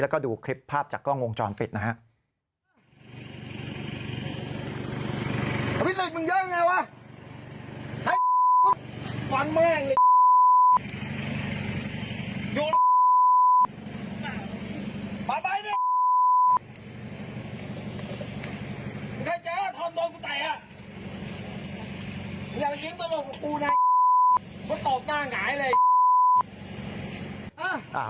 แล้วก็ดูคลิปภาพจากกล้องวงจรปิดนะฮะ